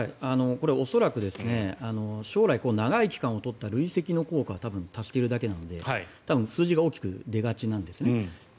恐らく、将来長い期間を取った累積の効果を多分、足しているだけなので多分数字が大きく出がちなんですね。